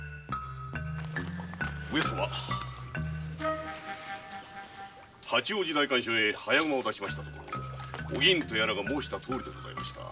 上様八王寺代官所へ早馬を出しましたところお銀とやらが申したとおりでございました。